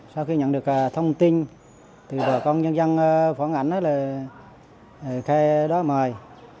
sau khi nhận được thông tin từ bà công nhân dân phóng ảnh là khe đó mời